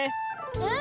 うん！